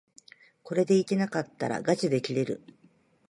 これでいけなかったらがちで切れる